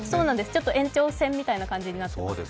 ちょっと延長戦みたいな感じになって。